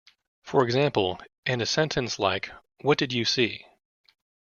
For example, in a sentence like What did you see?